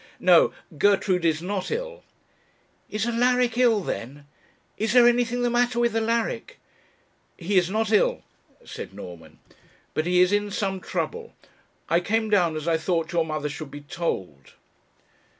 'No; Gertrude is not ill.' 'Is Alaric ill, then? Is there anything the matter with Alaric?' 'He is not ill,' said Norman, 'but he is in some trouble. I came down as I thought your mother should be told.'